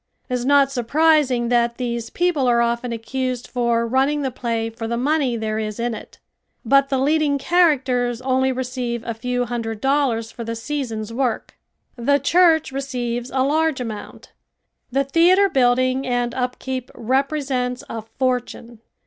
It is not surprising that these people are often accused for running the play for the money there is in it. But the leading characters only receive a few hundred dollars for the season's work. The church receives a large amount. The theater building and upkeep represents a fortune.